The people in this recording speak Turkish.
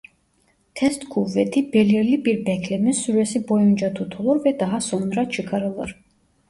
Test kuvveti belirli bir bekleme süresi boyunca tutulur ve daha sonra çıkarılır.